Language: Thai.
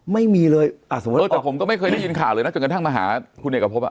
ไม่มีเลยอ่ะสมมุติแต่ผมก็ไม่เคยได้ยินข่าวเลยนะจนกระทั่งมาหาคุณเอกพบอ่ะ